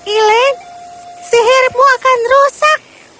elaine sihirmu akan rusak